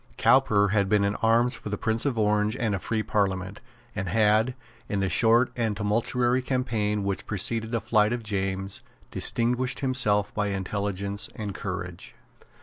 Cowper had been in arms for the Prince of Orange and a free Parliament, and had, in the short and tumultuary campaign which preceded the flight of James, distinguished himself by intelligence and courage.